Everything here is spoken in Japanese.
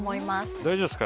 大丈夫ですか？